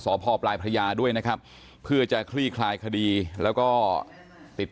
พ่อปลายพระยาด้วยนะครับเพื่อจะคลี่คลายคดีแล้วก็ติด